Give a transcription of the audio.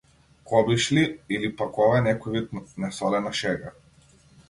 Кобиш ли или пак ова е некој вид несолена шега?